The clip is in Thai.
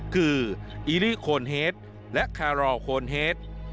คืออิลี่โคนเฮดและคารอโคนเฮด